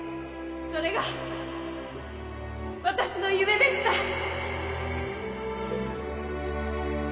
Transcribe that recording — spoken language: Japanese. それが私の夢でした